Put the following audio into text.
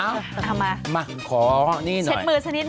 เอามาชัดมือสักนิดหนึ่งนะคะเอามาขอนี่หน่อย